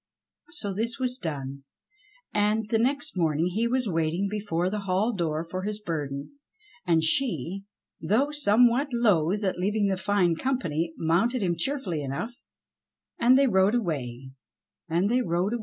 So this was done, and the next morning he was waiting before the hall door for his burden ; and she, though some what loth at leaving the fine company, mounted him cheer fully enough, and they rode away, and they rode away.